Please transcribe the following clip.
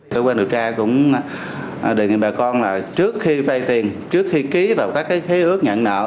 cơ quan điều tra cũng đề nghị bà con là trước khi vay tiền trước khi ký vào các ký ước nhận nợ